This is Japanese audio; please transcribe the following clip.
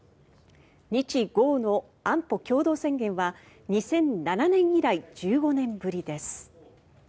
日豪の安保共同宣言は２００７年以来１５年ぶりです。